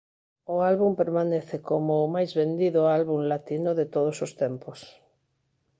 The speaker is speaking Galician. O álbum permanece como o máis vendido álbum latino de todos os tempos.